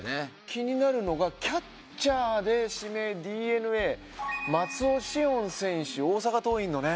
気になるのがキャッチャーで指名、ＤｅＮＡ、松尾汐恩選手、大阪桐蔭のね。